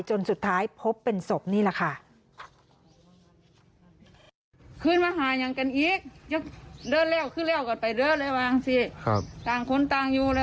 จนสุดท้ายพบเป็นศพนี่แหละค่ะ